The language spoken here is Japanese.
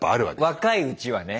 若いうちはね。